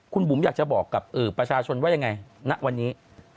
คุณบุ๋มอยากจะบอกกับประชาชนว่ายังไงณวันนี้